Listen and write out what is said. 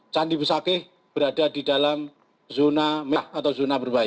candi besakeh berada di dalam zona merah atau zona berbahaya